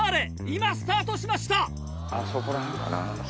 今スタートしました！